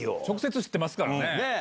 直接知ってますからね。